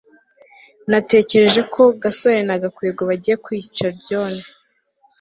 natekereje ko gasore na gakwego bagiye kwica john